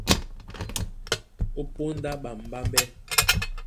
Ó póndá ɓambámbɛ́,